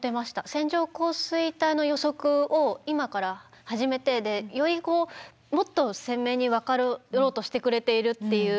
線状降水帯の予測を今から始めてよりこうもっと鮮明に分かろうとしてくれているっていう。